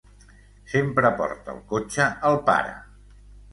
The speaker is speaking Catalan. Sempre porta el cotxe el pare...